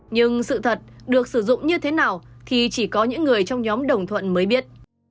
nhưng sự thật được sử dụng như thế nào thì chỉ có những người trong nhóm đồng thuận mới biết